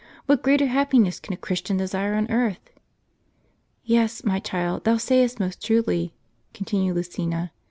"What greater happiness can a Christian desire on earth? "" Yes, my child, thou sayest most truly," continued Lucina.